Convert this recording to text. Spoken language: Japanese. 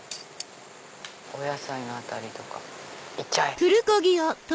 お野菜の辺りとか行っちゃえ！